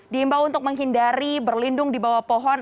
diimbau untuk menghindari berlindung di bawah pohon